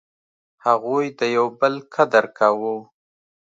هغوی د یو بل قدر کاوه.